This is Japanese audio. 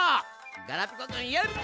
ガラピコくんやるな。